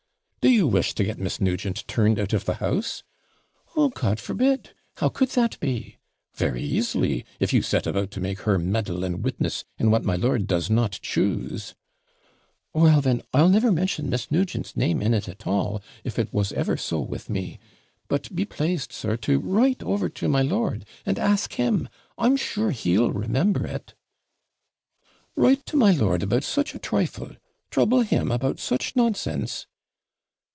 'Do you wish to get Miss Nugent turned out of the house?' 'Oh, God forbid! how could that be?' 'Very easily; if you set about to make her meddle and witness in what my lord does not choose.' 'Well then, I'll never mention Miss Nugent's name in it at all, if it was ever so with me. But be PLASED, sir, to write over to my lord, and ask him; I'm sure he'll remember it.' 'Write to my lord about such a trifle trouble him about such nonsense!'